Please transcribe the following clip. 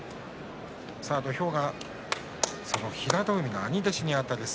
土俵は平戸海の兄弟子にあたります